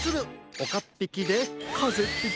おかっぴきでかぜっぴき！